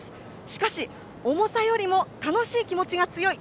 しかし、重さよりも楽しい気持ちが強い。